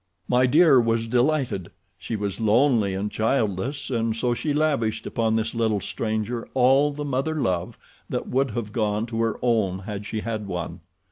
My Dear was delighted. She was lonely and childless, and so she lavished upon this little stranger all the mother love that would have gone to her own had she had one.